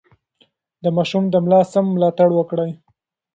د ماشوم د ملا سم ملاتړ وکړئ.